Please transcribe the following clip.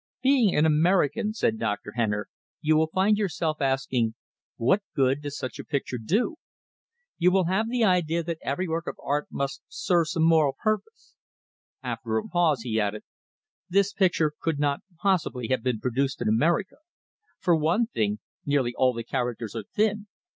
"Being an American," said Dr. Henner, "you will find yourself asking, 'What good does such a picture do?' You will have the idea that every work of art must serve some moral purpose." After a pause, he added: "This picture could not possibly have been produced in America. For one thing, nearly all the characters are thin."